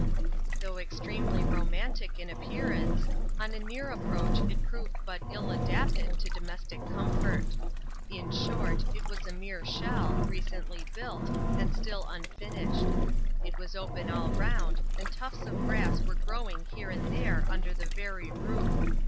Though extremely romantic in appearance, on a near 9^ proach it proved but ill adapted to domestic comfort. In short, it was a mere shell, recently built, and still unfinished. It was open all round, and tufts of grass were growing here and there under the very roof.